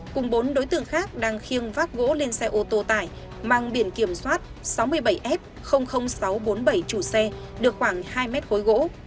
cùng bốn đối tượng khác đang khiêng vác gỗ lên xe ô tô tải mang biển kiểm soát sáu mươi bảy f sáu trăm bốn mươi bảy chủ xe được khoảng hai mét khối gỗ